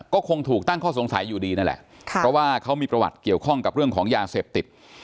ก็คงถูกตั้งข้อสงสัยอยู่ดีนั่นแหละเพราะว่าเขามีประวัติเกี่ยวข้องกับเรื่องของยาเสพติด